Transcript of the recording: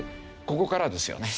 ここからですよね。